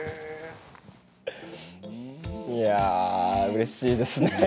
うれしいですね。